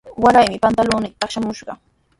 Waraymi pantulunniita taqshamushaq.